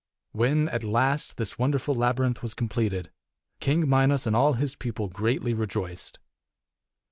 When, at last, this wonderful labyrinth was completed, King Minos and all his people greatly rejoiced.